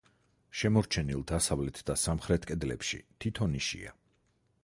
შემორჩენილ დასავლეთ და სამხრეთ კედლებში თითო ნიშია.